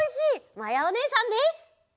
まやおねえさんです！